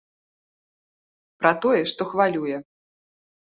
Пра тое, што хвалюе.